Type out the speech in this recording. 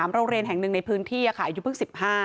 โรงเรียนแห่งหนึ่งในพื้นที่อายุเพิ่ง๑๕